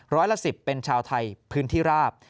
ร้อยละ๑๐เป็นชาวไทยพื้นที่ราบ